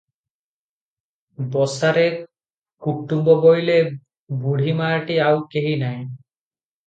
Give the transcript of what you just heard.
ବସାରେ କୁଟୁମ୍ବ ବୋଇଲେ ବୁଢ଼ୀ ମାଆଟି, ଆଉ କେହି ନାହିଁ ।